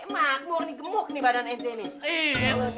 kayaknya makmur nih gemuk nih badan ente nih